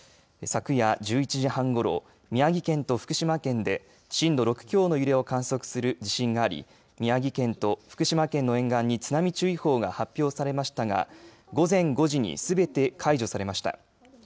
昨夜１１時半ごろ宮城県と福島県で震度６強の揺れを観測する地震があり宮城県と福島県の沿岸に津波注意報が発表されましたが午前５時にすべて解除されました。